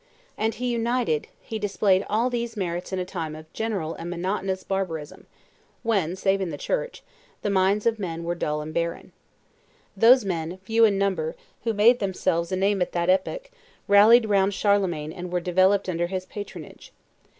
And he united, he displayed all these merits in a time of general and monotonous barbarism, when, save in the Church, the minds of men were dull and barren. Those men, few in number, who made themselves a name at that epoch, rallied round Charlemagne and were developed under his patronage.